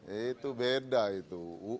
itu beda itu